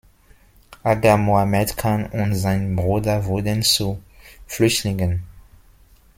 Aga Mohammed Khan und sein Bruder wurden zu Flüchtlingen.